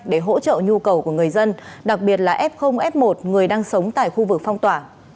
để hỗ trợ nhu cầu của người dân đặc biệt là f f một người đang sống tại khu vực phong tỏa